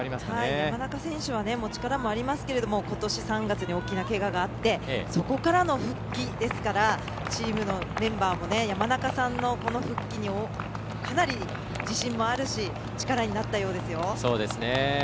山中選手は力もありますけれどもことし３月に大きなけががあってそこからの復帰ですからチームのメンバーも山中さんの、この復帰にかなり、自信もあるし力になったようですよ。